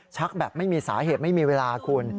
แบบไม่มีสาเหตุไม่มีเวลาคุณ